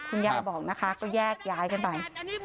คุณยายบอกนะคะก็แยกย้ายกันไป